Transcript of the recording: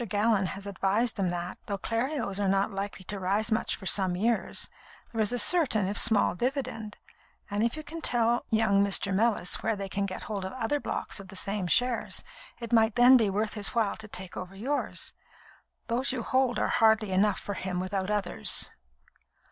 Gallon has advised them that, though Clerios are not likely to rise much for some years, there is a certain, if small, dividend; and if you can tell young Mr. Mellis where they can get hold of other blocks of the same shares, it might then be worth his while to take over yours. Those you hold are hardly enough for him without others."